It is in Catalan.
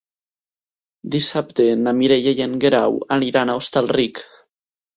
Dissabte na Mireia i en Guerau aniran a Hostalric.